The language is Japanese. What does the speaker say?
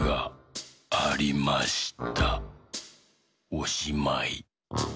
おしまい。